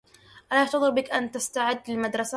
ألا يفترضُ بك أن تستعد للمدرسة؟